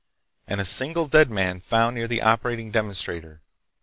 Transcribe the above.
And a single dead man found near the operating demonstrator....